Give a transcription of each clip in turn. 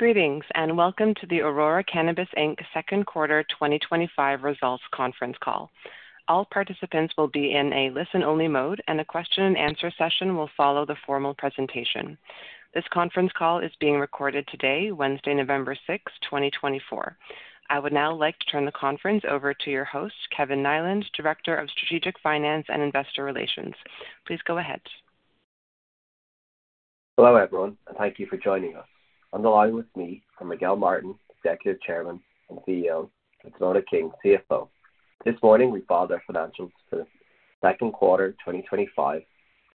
Greetings and welcome to the Aurora Cannabis Inc. Second Quarter 2025 Results Conference Call. All participants will be in a listen-only mode, and the question and answer session will follow the formal presentation. This conference call is being recorded today, Wednesday, November 6, 2024. I would now like to turn the conference over to your host, Kevin Niland, Director of Strategic Finance and Investor Relations. Please go ahead. Hello, everyone, and thank you for joining us. On the line with me are Miguel Martin, Executive Chairman and CEO, and Simona King, CFO. This morning, we filed our financials for the Second Quarter 2025,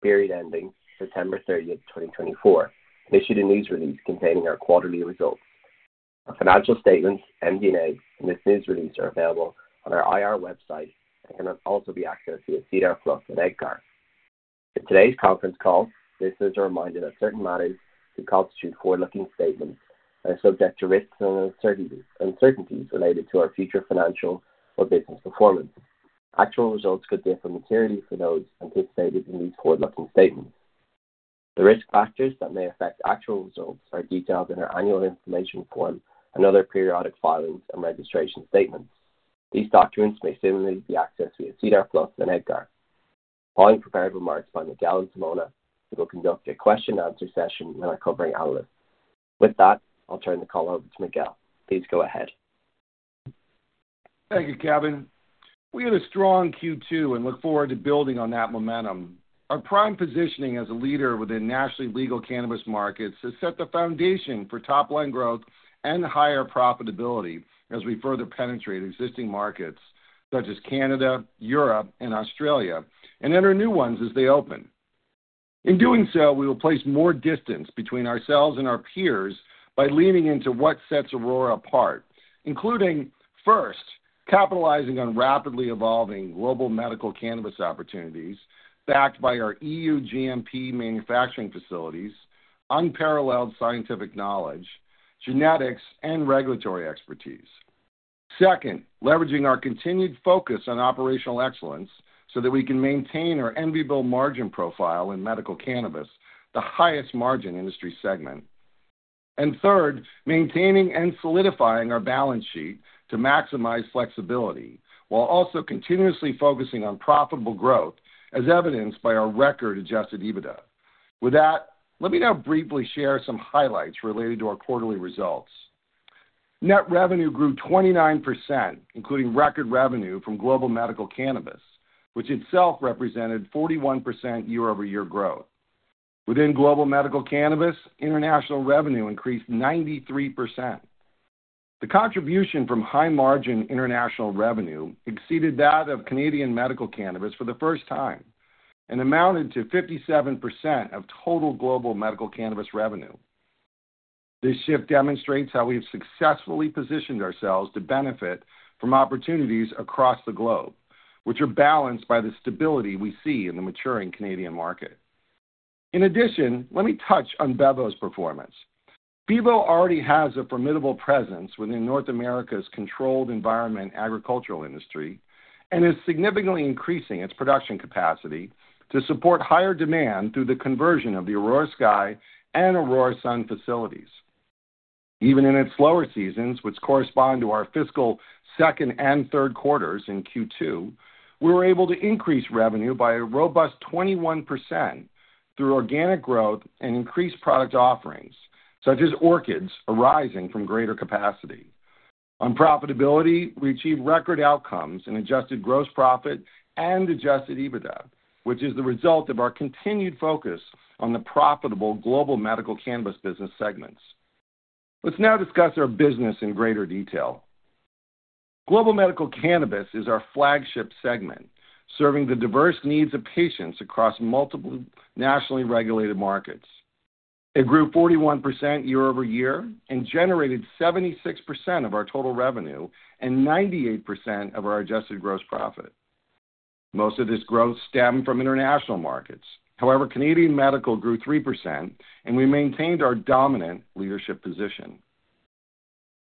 period ending September 30, 2024, and issued a news release containing our quarterly results. Our financial statements, MD&A, and this news release are available on our IR website and can also be accessed via SEDAR+ and EDGAR. For today's conference call, this is a reminder that certain matters do constitute forward-looking statements and are subject to risks and uncertainties related to our future financial or business performance. Actual results could differ materially from those anticipated in these forward-looking statements. The risk factors that may affect actual results are detailed in our Annual Information Form and other periodic filings and registration statements. These documents may similarly be accessed via SEDAR+ and EDGAR. Following prepared remarks by Miguel and Simona, we will conduct a question and answer session when I cover analysts. With that, I'll turn the call over to Miguel. Please go ahead. Thank you, Kevin. We have a strong Q2 and look forward to building on that momentum. Our prime positioning as a leader within nationally legal cannabis markets has set the foundation for top-line growth and higher profitability as we further penetrate existing markets such as Canada, Europe, and Australia, and enter new ones as they open. In doing so, we will place more distance between ourselves and our peers by leaning into what sets Aurora apart, including, first, capitalizing on rapidly evolving global medical cannabis opportunities backed by our EU GMP manufacturing facilities, unparalleled scientific knowledge, genetics, and regulatory expertise. Second, leveraging our continued focus on operational excellence so that we can maintain our enviable margin profile in medical cannabis, the highest margin industry segment, and third, maintaining and solidifying our balance sheet to maximize flexibility while also continuously focusing on profitable growth, as evidenced by our record adjusted EBITDA. With that, let me now briefly share some highlights related to our quarterly results. Net revenue grew 29%, including record revenue from global medical cannabis, which itself represented 41% year-over-year growth. Within global medical cannabis, international revenue increased 93%. The contribution from high-margin international revenue exceeded that of Canadian medical cannabis for the first time and amounted to 57% of total global medical cannabis revenue. This shift demonstrates how we have successfully positioned ourselves to benefit from opportunities across the globe, which are balanced by the stability we see in the maturing Canadian market. In addition, let me touch on Bevo's performance. Bevo already has a formidable presence within North America's controlled environment agricultural industry and is significantly increasing its production capacity to support higher demand through the conversion of the Aurora Sky and Aurora Sun facilities. Even in its slower seasons, which correspond to our fiscal second and third quarters in Q2, we were able to increase revenue by a robust 21% through organic growth and increased product offerings, such as orchids arising from greater capacity. On profitability, we achieved record outcomes in adjusted gross profit and adjusted EBITDA, which is the result of our continued focus on the profitable global medical cannabis business segments. Let's now discuss our business in greater detail. Global medical cannabis is our flagship segment, serving the diverse needs of patients across multiple nationally regulated markets. It grew 41% year-over-year and generated 76% of our total revenue and 98% of our adjusted gross profit. Most of this growth stemmed from international markets. However, Canadian medical grew 3%, and we maintained our dominant leadership position.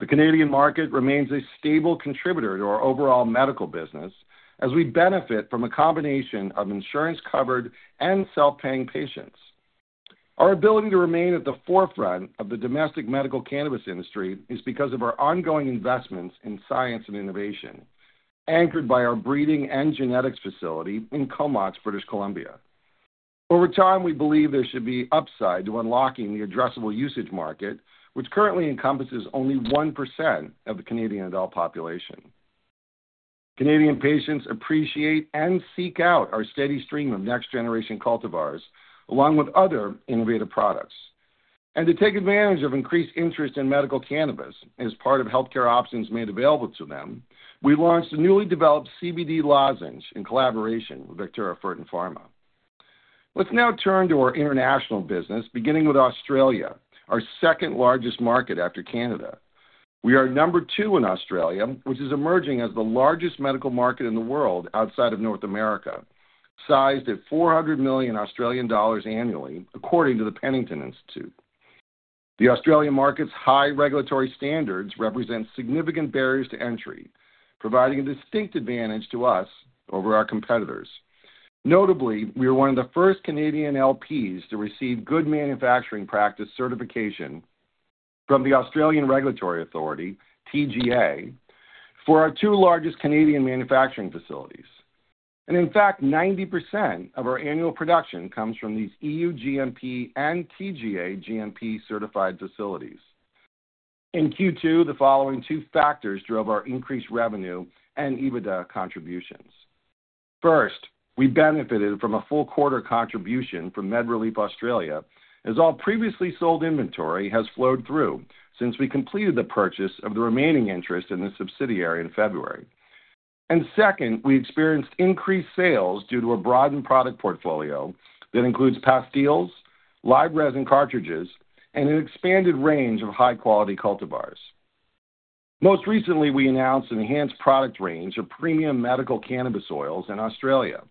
The Canadian market remains a stable contributor to our overall medical business, as we benefit from a combination of insurance-covered and self-paying patients. Our ability to remain at the forefront of the domestic medical cannabis industry is because of our ongoing investments in science and innovation, anchored by our breeding and genetics facility in Comox, British Columbia. Over time, we believe there should be upside to unlocking the addressable usage market, which currently encompasses only 1% of the Canadian adult population. Canadian patients appreciate and seek out our steady stream of next-generation cultivars along with other innovative products. To take advantage of increased interest in medical cannabis as part of healthcare options made available to them, we launched a newly developed CBD lozenge in collaboration with Vectura Fertin Pharma. Let's now turn to our international business, beginning with Australia, our second-largest market after Canada. We are number two in Australia, which is emerging as the largest medical market in the world outside of North America, sized at 400 million Australian dollars annually, according to the Penington Institute. The Australian market's high regulatory standards represent significant barriers to entry, providing a distinct advantage to us over our competitors. Notably, we are one of the first Canadian LPs to receive good manufacturing practice certification from the Australian Regulatory Authority, TGA, for our two largest Canadian manufacturing facilities. In fact, 90% of our annual production comes from these EU GMP and TGA GMP-certified facilities. In Q2, the following two factors drove our increased revenue and EBITDA contributions. First, we benefited from a full quarter contribution from MedReleaf Australia, as all previously sold inventory has flowed through since we completed the purchase of the remaining interest in the subsidiary in February. Second, we experienced increased sales due to a broadened product portfolio that includes pastilles, live resin cartridges, and an expanded range of high-quality cultivars. Most recently, we announced an enhanced product range of premium medical cannabis oils in Australia,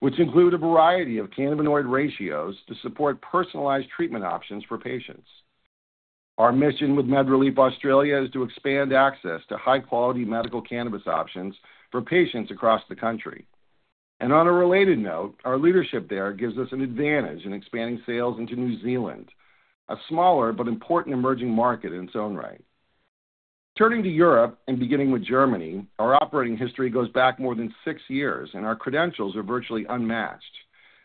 which include a variety of cannabinoid ratios to support personalized treatment options for patients. Our mission with MedReleaf Australia is to expand access to high-quality medical cannabis options for patients across the country. And on a related note, our leadership there gives us an advantage in expanding sales into New Zealand, a smaller but important emerging market in its own right. Turning to Europe and beginning with Germany, our operating history goes back more than six years, and our credentials are virtually unmatched,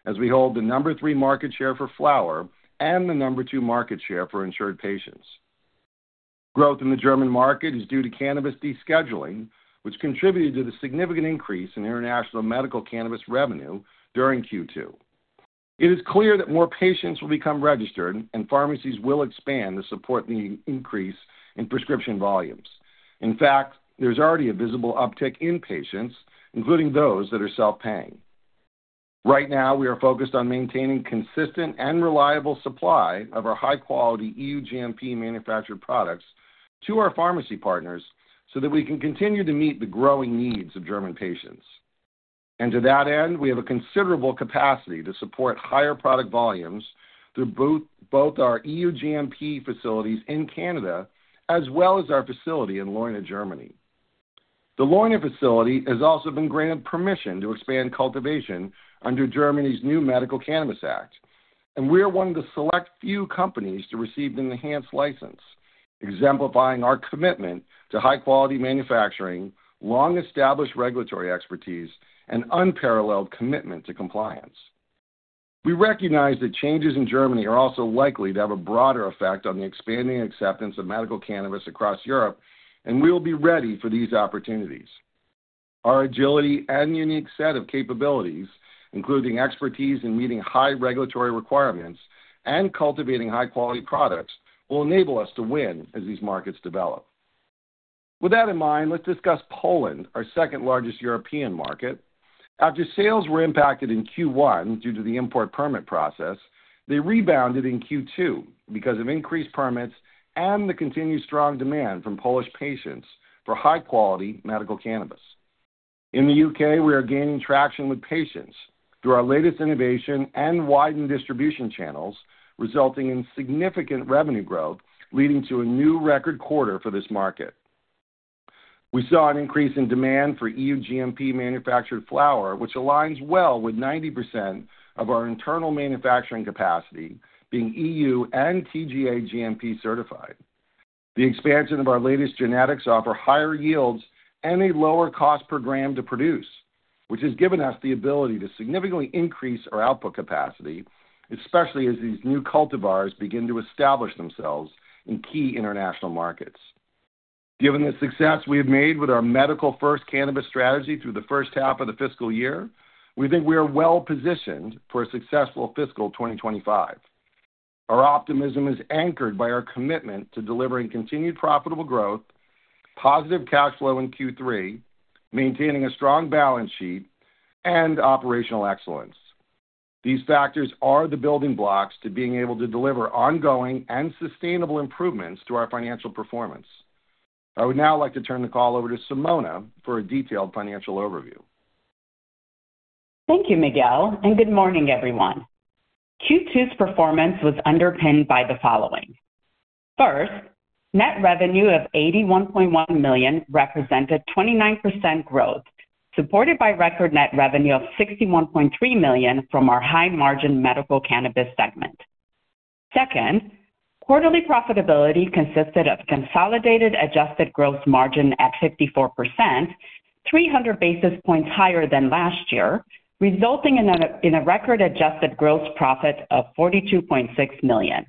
as we hold the number three market share for flower and the number two market share for insured patients. Growth in the German market is due to cannabis descheduling, which contributed to the significant increase in international medical cannabis revenue during Q2. It is clear that more patients will become registered, and pharmacies will expand to support the increase in prescription volumes. In fact, there's already a visible uptick in patients, including those that are self-paying. Right now, we are focused on maintaining consistent and reliable supply of our high-quality EU GMP-manufactured products to our pharmacy partners so that we can continue to meet the growing needs of German patients, and to that end, we have a considerable capacity to support higher product volumes through both our EU GMP facilities in Canada as well as our facility in Leuna, Germany. The Leuna facility has also been granted permission to expand cultivation under Germany's new Medical Cannabis Act, and we are one of the select few companies to receive an enhanced license, exemplifying our commitment to high-quality manufacturing, long-established regulatory expertise, and unparalleled commitment to compliance. We recognize that changes in Germany are also likely to have a broader effect on the expanding acceptance of medical cannabis across Europe, and we will be ready for these opportunities. Our agility and unique set of capabilities, including expertise in meeting high regulatory requirements and cultivating high-quality products, will enable us to win as these markets develop. With that in mind, let's discuss Poland, our second-largest European market. After sales were impacted in Q1 due to the import permit process, they rebounded in Q2 because of increased permits and the continued strong demand from Polish patients for high-quality medical cannabis. In the U.K., we are gaining traction with patients through our latest innovation and widened distribution channels, resulting in significant revenue growth, leading to a new record quarter for this market. We saw an increase in demand for EU GMP-manufactured flower, which aligns well with 90% of our internal manufacturing capacity being EU and TGA GMP-certified. The expansion of our latest genetics offers higher yields and a lower cost per gram to produce, which has given us the ability to significantly increase our output capacity, especially as these new cultivars begin to establish themselves in key international markets. Given the success we have made with our medical-first cannabis strategy through the first half of the fiscal year, we think we are well-positioned for a successful fiscal 2025. Our optimism is anchored by our commitment to delivering continued profitable growth, positive cash flow in Q3, maintaining a strong balance sheet, and operational excellence. These factors are the building blocks to being able to deliver ongoing and sustainable improvements to our financial performance. I would now like to turn the call over to Simona for a detailed financial overview. Thank you, Miguel, and good morning, everyone. Q2's performance was underpinned by the following. First, net revenue of 81.1 million represented 29% growth, supported by record net revenue of 61.3 million from our high-margin medical cannabis segment. Second, quarterly profitability consisted of consolidated adjusted gross margin at 54%, 300 basis points higher than last year, resulting in a record adjusted gross profit of 42.6 million.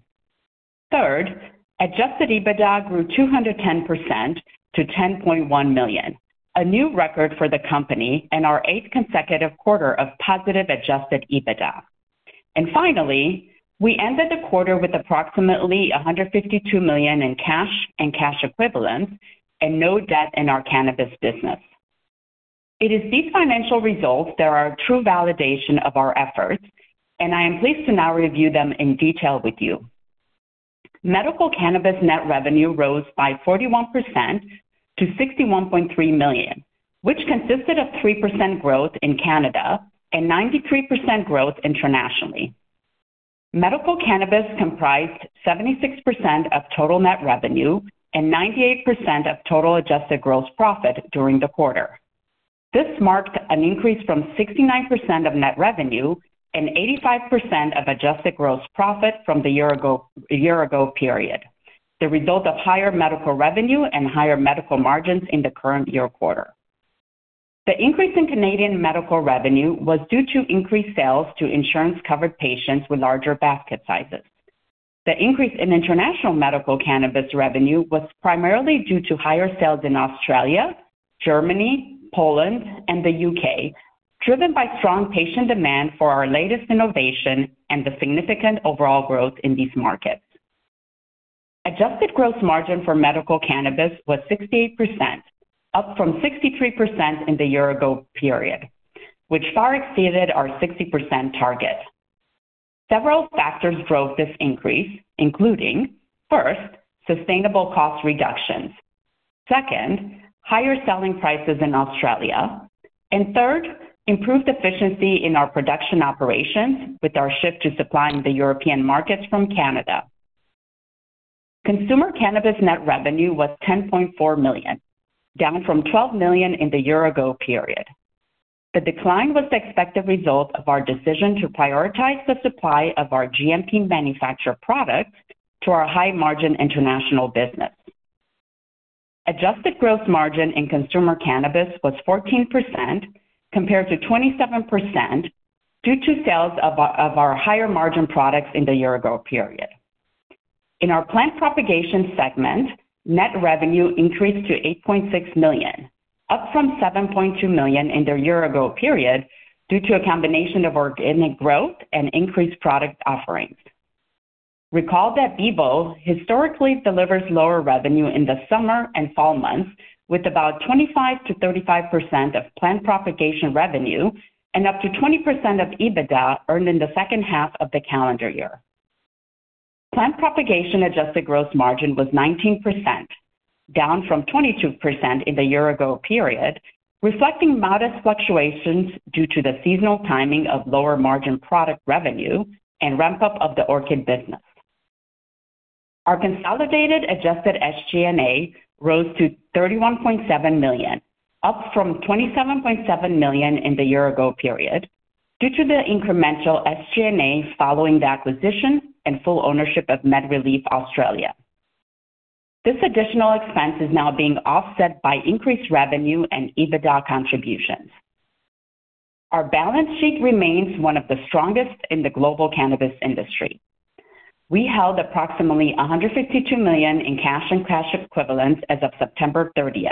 Third, adjusted EBITDA grew 210% to 10.1 million, a new record for the company and our eighth consecutive quarter of positive adjusted EBITDA. And finally, we ended the quarter with approximately 152 million in cash and cash equivalents and no debt in our cannabis business. It is these financial results that are a true validation of our efforts, and I am pleased to now review them in detail with you. Medical cannabis net revenue rose by 41% to 61.3 million, which consisted of 3% growth in Canada and 93% growth internationally. Medical cannabis comprised 76% of total net revenue and 98% of total adjusted gross profit during the quarter. This marked an increase from 69% of net revenue and 85% of adjusted gross profit from the year-ago period, the result of higher medical revenue and higher medical margins in the current year quarter. The increase in Canadian medical revenue was due to increased sales to insurance-covered patients with larger basket sizes. The increase in international medical cannabis revenue was primarily due to higher sales in Australia, Germany, Poland, and the U.K., driven by strong patient demand for our latest innovation and the significant overall growth in these markets. Adjusted gross margin for medical cannabis was 68%, up from 63% in the year-ago period, which far exceeded our 60% target. Several factors drove this increase, including first, sustainable cost reductions. Second, higher selling prices in Australia. And third, improved efficiency in our production operations with our shift to supplying the European markets from Canada. Consumer cannabis net revenue was 10.4 million, down from 12 million in the year-ago period. The decline was the expected result of our decision to prioritize the supply of our GMP-manufactured products to our high-margin international business. Adjusted gross margin in consumer cannabis was 14%, compared to 27%, due to sales of our higher-margin products in the year-ago period. In our plant propagation segment, net revenue increased to 8.6 million, up from 7.2 million in the year-ago period due to a combination of organic growth and increased product offerings. Recall that Bevo's historically delivers lower revenue in the summer and fall months, with about 25% to 35% of plant propagation revenue and up to 20% of EBITDA earned in the second half of the calendar year. Plant propagation adjusted gross margin was 19%, down from 22% in the year-ago period, reflecting modest fluctuations due to the seasonal timing of lower-margin product revenue and ramp-up of the orchid business. Our consolidated adjusted SG&A rose to 31.7 million, up from 27.7 million in the year-ago period, due to the incremental SG&A following the acquisition and full ownership of MedReleaf Australia. This additional expense is now being offset by increased revenue and EBITDA contributions. Our balance sheet remains one of the strongest in the global cannabis industry. We held approximately 152 million in cash and cash equivalents as of September 30.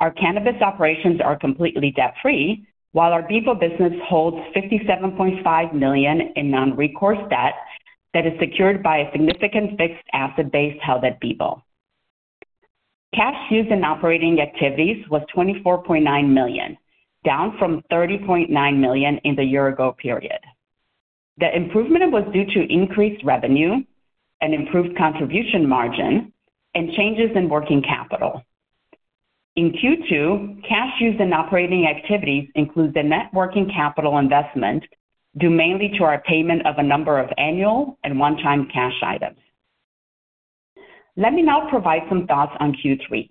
Our cannabis operations are completely debt-free, while our Bevo's business holds 57.5 million in non-recourse debt that is secured by a significant fixed asset base held at Bevo's. Cash used in operating activities was 24.9 million, down from 30.9 million in the year-ago period. The improvement was due to increased revenue, an improved contribution margin, and changes in working capital. In Q2, cash used in operating activities includes the net working capital investment due mainly to our payment of a number of annual and one-time cash items. Let me now provide some thoughts on Q3.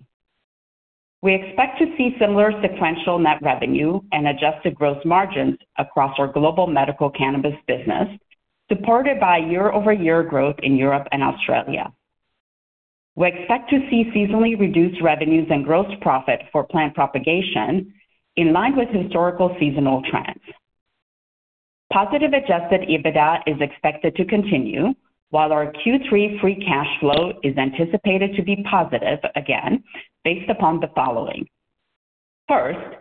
We expect to see similar sequential net revenue and adjusted gross margins across our global medical cannabis business, supported by year-over-year growth in Europe and Australia. We expect to see seasonally reduced revenues and gross profit for plant propagation in line with historical seasonal trends. Positive adjusted EBITDA is expected to continue, while our Q3 free cash flow is anticipated to be positive again, based upon the following. First,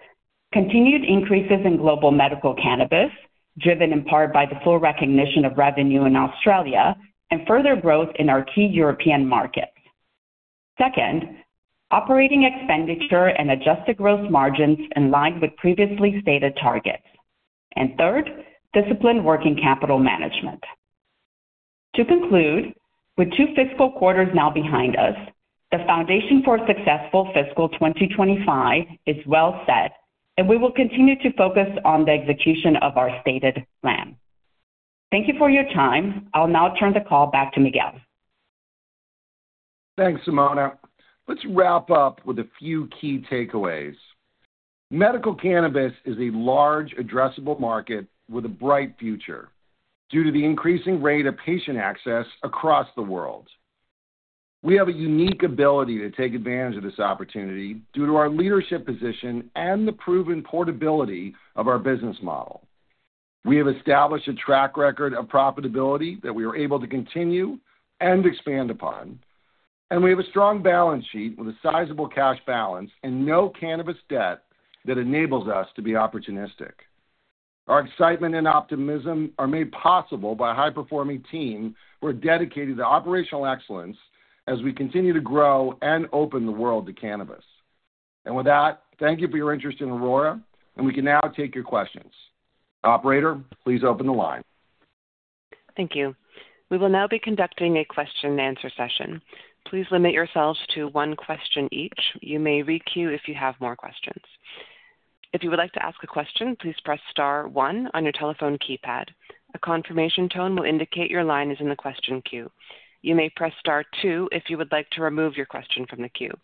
continued increases in global medical cannabis, driven in part by the full recognition of revenue in Australia and further growth in our key European markets. Second, operating expenditure and adjusted gross margins in line with previously stated targets. And third, disciplined working capital management. To conclude, with two fiscal quarters now behind us, the foundation for a successful fiscal 2025 is well set, and we will continue to focus on the execution of our stated plan. Thank you for your time. I'll now turn the call back to Miguel. Thanks, Simona. Let's wrap up with a few key takeaways. Medical cannabis is a large, addressable market with a bright future due to the increasing rate of patient access across the world. We have a unique ability to take advantage of this opportunity due to our leadership position and the proven portability of our business model. We have established a track record of profitability that we are able to continue and expand upon, and we have a strong balance sheet with a sizable cash balance and no cannabis debt that enables us to be opportunistic. Our excitement and optimism are made possible by a high-performing team who are dedicated to operational excellence as we continue to grow and open the world to cannabis. And with that, thank you for your interest in Aurora, and we can now take your questions. Operator, please open the line. Thank you. We will now be conducting a question and answer session. Please limit yourselves to one question each. You may re-queue if you have more questions. If you would like to ask a question, please press star one on your telephone keypad. A confirmation tone will indicate your line is in the question queue. You may press star two if you would like to remove your question from the queue.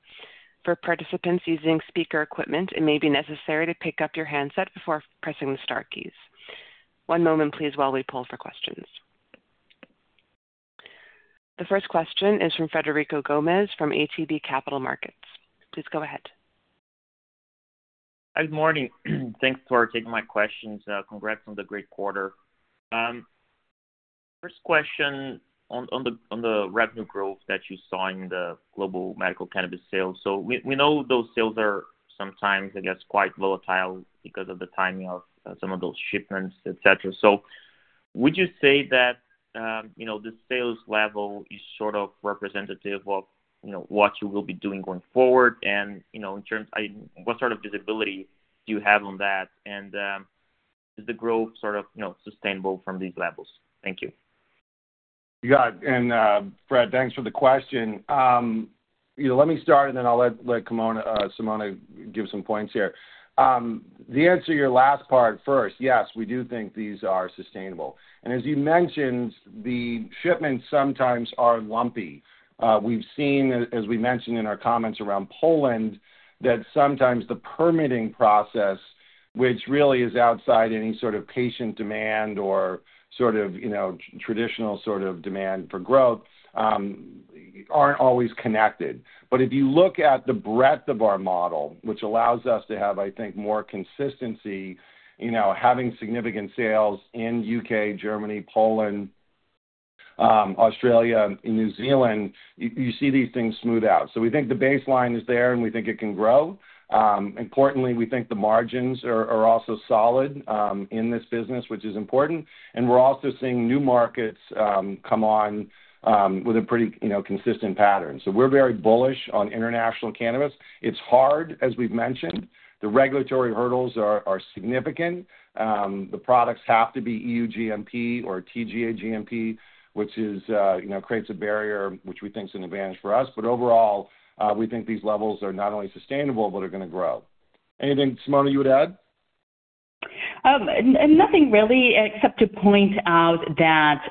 For participants using speaker equipment, it may be necessary to pick up your handset before pressing the star keys. One moment, please, while we pull for questions. The first question is from Frederico Gomes from ATB Capital Markets. Please go ahead. Good morning. Thanks for taking my questions. Congrats on the great quarter. First question on the revenue growth that you saw in the global medical cannabis sales. So we know those sales are sometimes, I guess, quite volatile because of the timing of some of those shipments, etc. So would you say that the sales level is sort of representative of what you will be doing going forward? And in terms of what sort of visibility do you have on that? And is the growth sort of sustainable from these levels? Thank you. You got it. And Fred, thanks for the question. Let me start, and then I'll let Simona give some points here. The answer to your last part first, yes, we do think these are sustainable. And as you mentioned, the shipments sometimes are lumpy. We've seen, as we mentioned in our comments around Poland, that sometimes the permitting process, which really is outside any sort of patient demand or sort of traditional sort of demand for growth, aren't always connected. But if you look at the breadth of our model, which allows us to have, I think, more consistency, having significant sales in the UK, Germany, Poland, Australia, and New Zealand, you see these things smooth out. So we think the baseline is there, and we think it can grow. Importantly, we think the margins are also solid in this business, which is important. We're also seeing new markets come on with a pretty consistent pattern. So we're very bullish on international cannabis. It's hard, as we've mentioned. The regulatory hurdles are significant. The products have to be EU GMP or TGA GMP, which creates a barrier, which we think is an advantage for us. But overall, we think these levels are not only sustainable, but are going to grow. Anything, Simona, you would add? Nothing really, except to point out that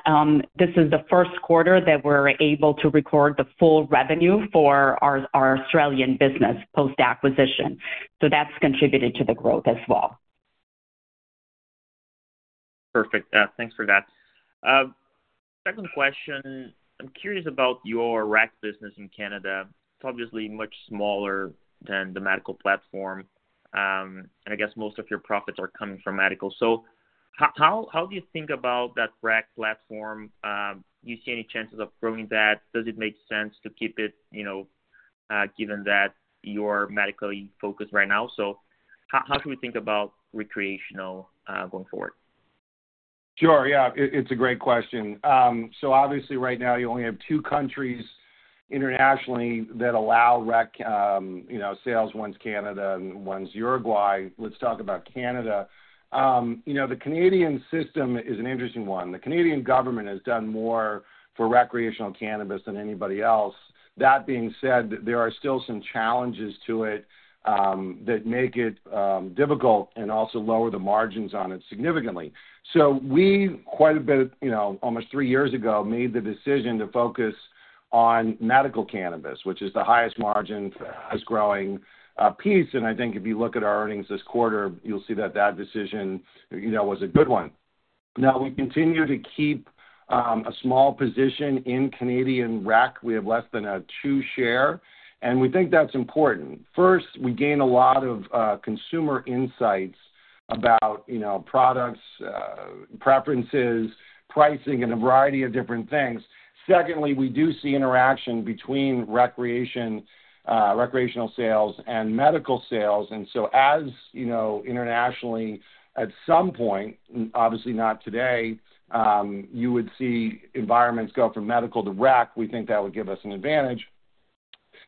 this is the first quarter that we're able to record the full revenue for our Australian business post-acquisition. So that's contributed to the growth as well. Perfect. Thanks for that. Second question, I'm curious about your Rec business in Canada. It's obviously much smaller than the medical platform, and I guess most of your profits are coming from medical. So how do you think about that Rec platform? Do you see any chances of growing that? Does it make sense to keep it given that you're medically focused right now? So how should we think about recreational going forward? Sure. Yeah, it's a great question. So obviously, right now, you only have two countries internationally that allow Rec sales, one is Canada and one is Uruguay. Let's talk about Canada. The Canadian system is an interesting one. The Canadian government has done more for recreational cannabis than anybody else. That being said, there are still some challenges to it that make it difficult and also lower the margins on it significantly. So we, quite a bit, almost three years ago, made the decision to focus on medical cannabis, which is the highest margin, fastest growing piece. And I think if you look at our earnings this quarter, you'll see that that decision was a good one. Now, we continue to keep a small position in Canadian Rec. We have less than a 2% share, and we think that's important. First, we gain a lot of consumer insights about products, preferences, pricing, and a variety of different things. Secondly, we do see interaction between recreational sales and medical sales, and so as internationally, at some point, obviously not today, you would see environments go from medical to Rec. We think that would give us an advantage,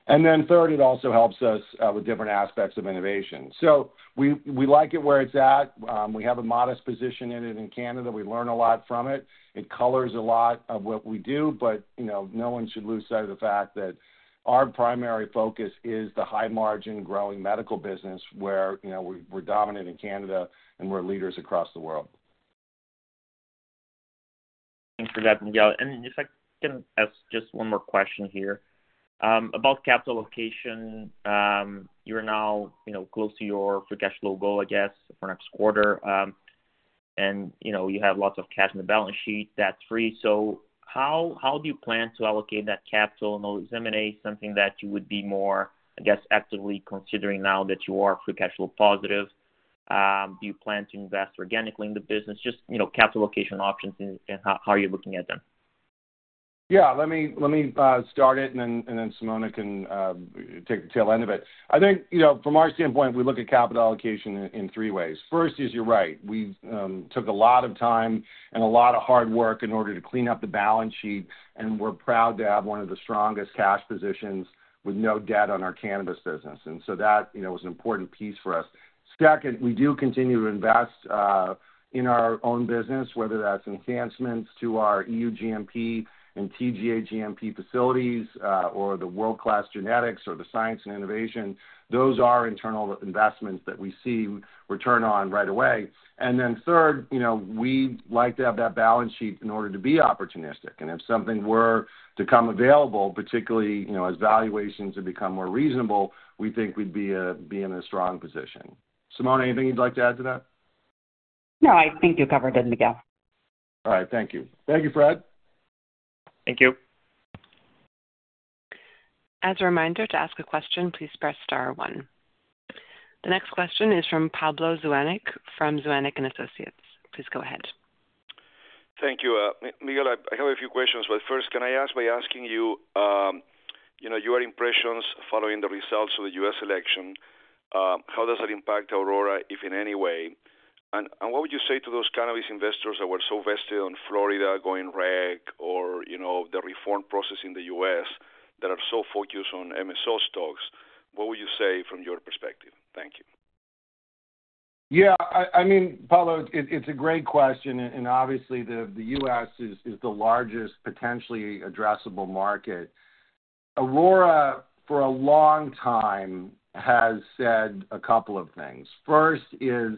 and then third, it also helps us with different aspects of innovation, so we like it where it's at. We have a modest position in it in Canada. We learn a lot from it. It colors a lot of what we do, but no one should lose sight of the fact that our primary focus is the high-margin growing medical business where we're dominant in Canada and we're leaders across the world. Thanks for that, Miguel. And if I can ask just one more question here. About capital allocation, you're now close to your free cash flow goal, I guess, for next quarter. And you have lots of cash in the balance sheet. That's free. So how do you plan to allocate that capital? And I'll examine something that you would be more, I guess, actively considering now that you are free cash flow positive. Do you plan to invest organically in the business? Just capital allocation options and how you're looking at them. Yeah. Let me start it, and then Simona can take the tail end of it. I think from our standpoint, we look at capital allocation in three ways. First, you're right. We took a lot of time and a lot of hard work in order to clean up the balance sheet, and we're proud to have one of the strongest cash positions with no debt on our cannabis business, and so that was an important piece for us. Second, we do continue to invest in our own business, whether that's enhancements to our EU GMP and TGA GMP facilities or the world-class genetics or the science and innovation. Those are internal investments that we see return on right away, and then third, we like to have that balance sheet in order to be opportunistic. If something were to come available, particularly as valuations have become more reasonable, we think we'd be in a strong position. Simona, anything you'd like to add to that? No, I think you covered it, Miguel. All right. Thank you. Thank you, Fred. Thank you. As a reminder, to ask a question, please press star one. The next question is from Pablo Zuanic from Zuanic & Associates. Please go ahead. Thank you. Miguel, I have a few questions, but first, can I ask by asking you your impressions following the results of the U.S. election? How does that impact Aurora, if in any way? And what would you say to those cannabis investors that were so vested on Florida going rec or the reform process in the U.S. that are so focused on MSO stocks? What would you say from your perspective? Thank you. Yeah. I mean, Pablo, it's a great question, and obviously, the U.S. is the largest potentially addressable market. Aurora, for a long time, has said a couple of things. First is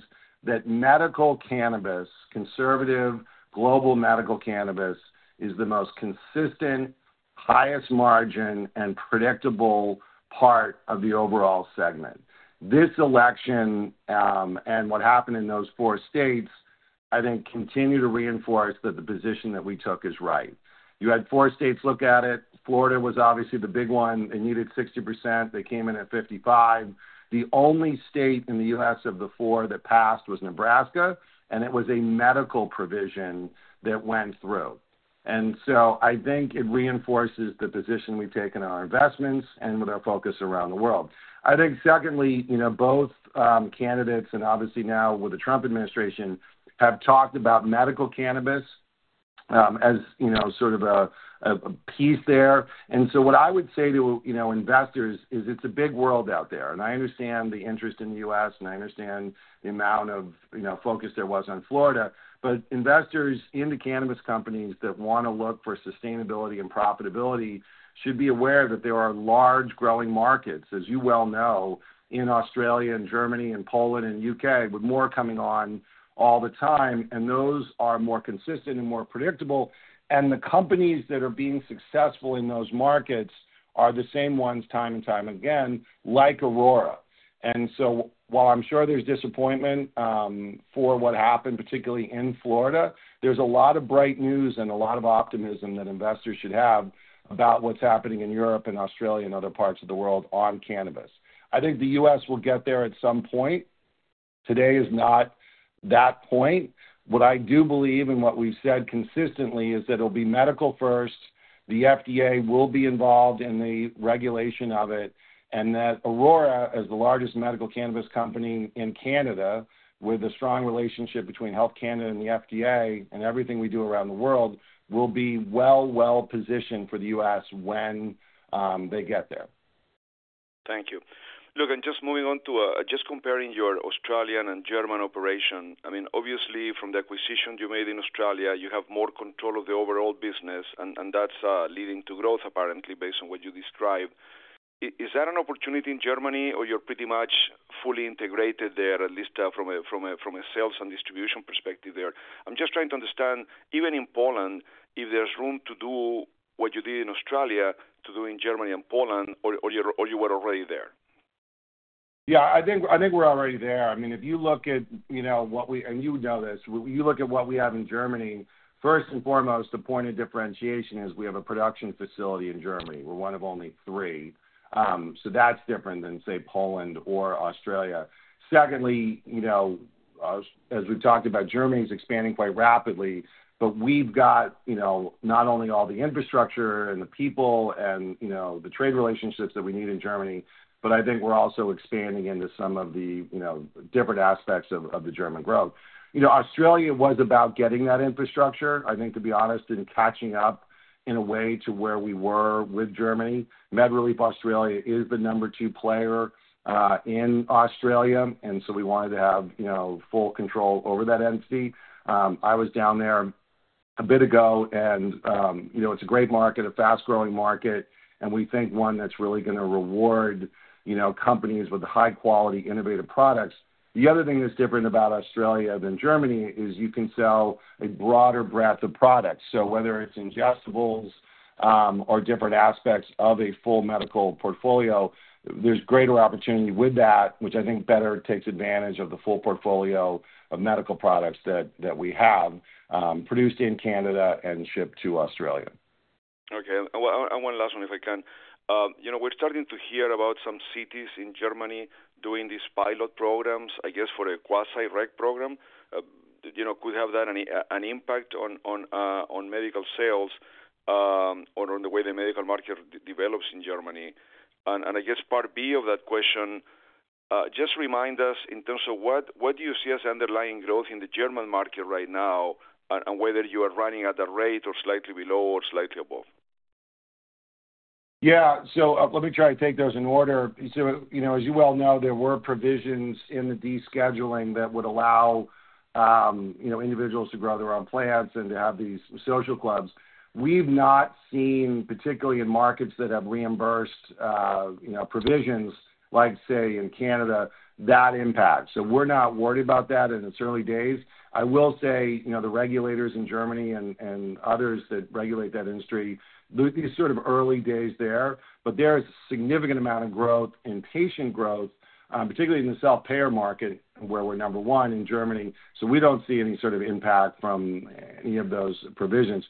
that medical cannabis, conservative global medical cannabis, is the most consistent, highest margin, and predictable part of the overall segment. This election and what happened in those four states, I think, continue to reinforce that the position that we took is right. You had four states look at it. Florida was obviously the big one. They needed 60%. They came in at 55%. The only state in the U.S. of the four that passed was Nebraska, and it was a medical provision that went through, and so I think it reinforces the position we've taken on our investments and with our focus around the world. I think, secondly, both candidates and obviously now with the Trump administration have talked about medical cannabis as sort of a piece there, and so what I would say to investors is it's a big world out there, and I understand the interest in the U.S., and I understand the amount of focus there was on Florida, but investors in the cannabis companies that want to look for sustainability and profitability should be aware that there are large growing markets, as you well know, in Australia and Germany and Poland and U.K., with more coming on all the time, and those are more consistent and more predictable, and the companies that are being successful in those markets are the same ones time and time again, like Aurora. And so while I'm sure there's disappointment for what happened, particularly in Florida, there's a lot of bright news and a lot of optimism that investors should have about what's happening in Europe and Australia and other parts of the world on cannabis. I think the U.S. will get there at some point. Today is not that point. What I do believe and what we've said consistently is that it'll be medical first. The FDA will be involved in the regulation of it. And that Aurora, as the largest medical cannabis company in Canada, with the strong relationship between Health Canada and the FDA and everything we do around the world, will be well, well positioned for the U.S. when they get there. Thank you. Look, and just moving on to just comparing your Australian and German operation, I mean, obviously, from the acquisition you made in Australia, you have more control of the overall business, and that's leading to growth, apparently, based on what you described. Is that an opportunity in Germany, or you're pretty much fully integrated there, at least from a sales and distribution perspective there? I'm just trying to understand, even in Poland, if there's room to do what you did in Australia to do in Germany and Poland, or you were already there. Yeah. I think we're already there. I mean, if you look at what we, and you know this, you look at what we have in Germany, first and foremost, the point of differentiation is we have a production facility in Germany. We're one of only three. So that's different than, say, Poland or Australia. Secondly, as we've talked about, Germany is expanding quite rapidly, but we've got not only all the infrastructure and the people and the trade relationships that we need in Germany, but I think we're also expanding into some of the different aspects of the German growth. Australia was about getting that infrastructure. I think, to be honest, in catching up in a way to where we were with Germany. MedReleaf Australia is the number two player in Australia, and so we wanted to have full control over that entity. I was down there a bit ago, and it's a great market, a fast-growing market, and we think one that's really going to reward companies with high-quality innovative products. The other thing that's different about Australia than Germany is you can sell a broader breadth of products. So whether it's ingestibles or different aspects of a full medical portfolio, there's greater opportunity with that, which I think better takes advantage of the full portfolio of medical products that we have produced in Canada and shipped to Australia. Okay, and one last one, if I can. We're starting to hear about some cities in Germany doing these pilot programs, I guess, for a quasi-Rec program. Could have that an impact on medical sales or on the way the medical market develops in Germany? and I guess part B of that question, just remind us in terms of what do you see as underlying growth in the German market right now and whether you are running at that rate or slightly below or slightly above? Yeah. So let me try to take those in order. So as you well know, there were provisions in the descheduling that would allow individuals to grow their own plants and to have these social clubs. We've not seen, particularly in markets that have reimbursed provisions like, say, in Canada, that impact. So we're not worried about that in its early days. I will say the regulators in Germany and others that regulate that industry, these sort of early days there, but there is a significant amount of growth in patient growth, particularly in the self-payer market, where we're number one in Germany. So we don't see any sort of impact from any of those provisions.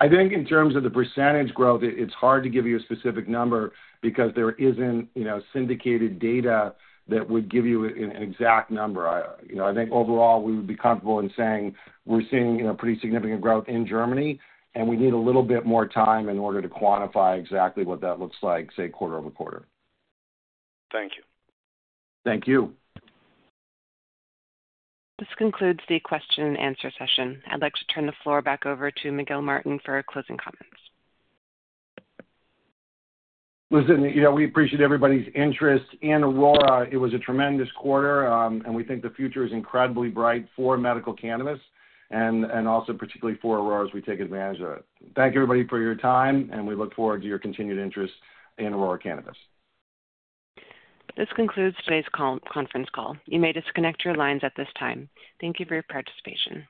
I think in terms of the percentage growth, it's hard to give you a specific number because there isn't syndicated data that would give you an exact number. I think overall, we would be comfortable in saying we're seeing pretty significant growth in Germany, and we need a little bit more time in order to quantify exactly what that looks like, say, quarter over quarter. Thank you. Thank you. This concludes the question and answer session. I'd like to turn the floor back over to Miguel Martin for closing comments. Listen, we appreciate everybody's interest. In Aurora, it was a tremendous quarter, and we think the future is incredibly bright for medical cannabis and also particularly for Aurora as we take advantage of it. Thank you, everybody, for your time, and we look forward to your continued interest in Aurora Cannabis. This concludes today's conference call. You may disconnect your lines at this time. Thank you for your participation.